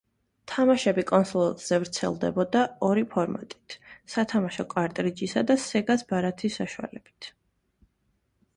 თამაშები კონსოლზე ვრცელდებოდა ორი ფორმატით: სათამაშო კარტრიჯის და სეგას ბარათის საშუალებით.